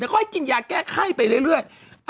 เขาก็กินยาแก้ไข้ไปเรื่อย